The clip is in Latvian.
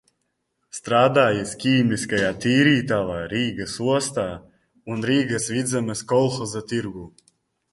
Strādājis ķīmiskajā tīrītavā, Rīgas ostā un Rīgas Vidzemes kolhoza tirgū.